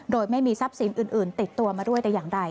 โดยไม่มีทรัพย์สินอื่นติดตัวมาด้วยแต่อย่างใด